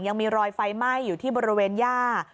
ยังมีรอยไฟไหม้อยู่ที่บริเวณย่า